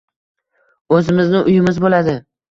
Oʻzimizni uyimiz boʻladi…